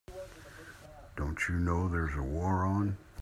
Don't you know there's a war on?